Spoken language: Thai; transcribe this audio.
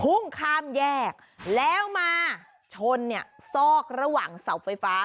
พุ่งข้ามแยกแล้วมาชนเนี่ยซอกระหว่างเสาไฟฟ้า